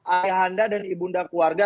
ayah anda dan ibunda keluarga